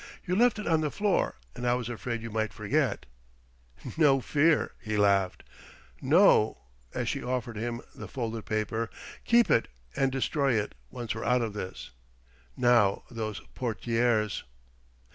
"You left it on the floor, and I was afraid you might forget " "No fear!" he laughed. "No" as she offered him the folded paper "keep it and destroy it, once we're out of this. Now those portières..."